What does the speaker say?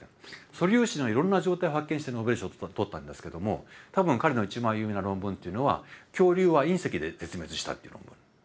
素粒子のいろんな状態を発見してノーベル賞を取ったんですけども多分彼の一番有名な論文っていうのは恐竜は隕石で絶滅したっていう論文。